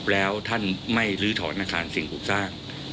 แล้วท่านไม่ลื้อถอนอาคารสิ่งปลูกสร้าง